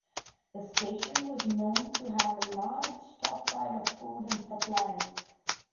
The station was known to have a large stockpile of food and supplies.